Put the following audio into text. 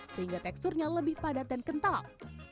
sehingga teksturnya lebih padat dan kental